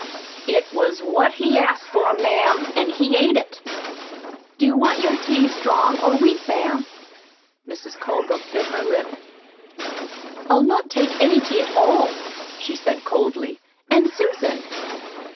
"It was what he asked for, ma'am, an' he's ate it. Do you want your tea strong or weak, ma'am?" Mrs. Colebrook bit her lip. "I'll not take any tea at all," she said coldly. "And, Susan!"